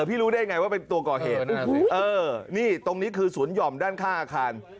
พี่รู้ได้ไงว่าเป็นตัวก่อเหตุนี่ตรงนี้คือสวนหย่อมด้านข้างอาคาร